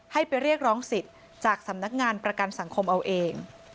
ให้ไปเรียกร้องสิทธิ์จากสำนักงานประกันสังคมเอาเอง